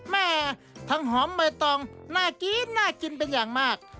แม่ทั้งหอมใบตองน่ากินน่ากินเป็นอย่างมาก